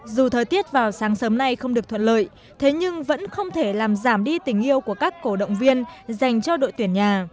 dù thời tiết vào sáng sớm nay không được thuận lợi thế nhưng vẫn không thể làm giảm đi tình yêu của các cổ động viên dành cho đội tuyển nhà